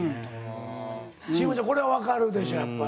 慎吾ちゃんこれは分かるでしょやっぱ。